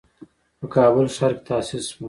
په کابل ښار کې تأسيس شوه.